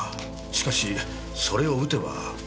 しかしそれを撃てば。